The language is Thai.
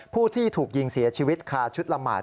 ผู้ที่ถูกยิงเสียชีวิตคาชุดละหมาด